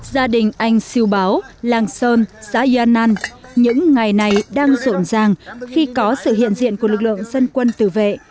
gia đình anh siêu báo làng sơn xã yên an những ngày này đang rộn ràng khi có sự hiện diện của lực lượng dân quân tự vệ